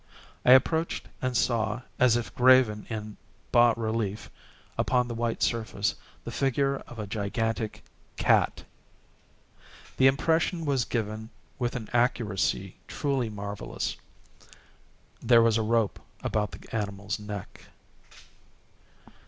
I approached and saw, as if graven in bas relief upon the white surface, the figure of a gigantic cat. The impression was given with an accuracy truly marvellous. There was a rope about the animal's neck.